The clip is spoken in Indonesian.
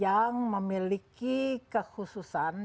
yang memiliki kekhususan